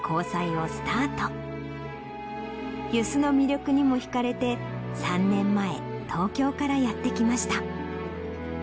遊子の魅力にも引かれて３年前東京からやって来ました。